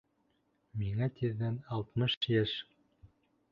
Миңә тиҙҙән алтмыш йәш!